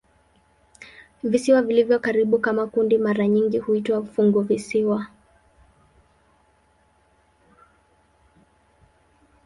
Visiwa vilivyo karibu kama kundi mara nyingi huitwa "funguvisiwa".